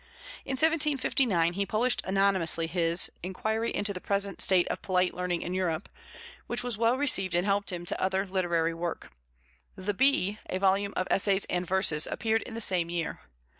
In 1759 he published anonymously his Enquiry into the Present State of Polite Learning in Europe, which was well received and helped him to other literary work. The Bee, a volume of essays and verses, appeared in the same year.